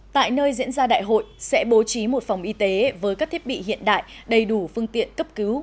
tại nơi diễn ra đại hội sẽ bố trí một phòng y tế với các thiết bị hiện đại đầy đủ phương tiện cấp cứu